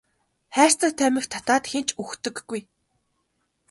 Хайрцаг тамхи татаад хэн ч үхдэггүй.